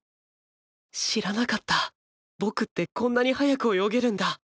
知らなかった僕ってこんなに速く泳げるんだ